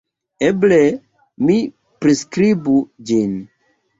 Eble mi priskribu ĝin.